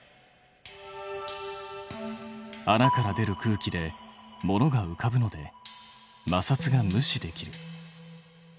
穴から出る空気で物がうかぶのでまさつが無視できる。